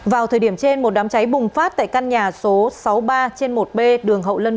vào thời điểm trên một đám cháy bùng phát tại căn nhà số sáu mươi ba trên một b đường hậu lân bốn